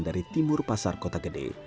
dari timur pasar kota gede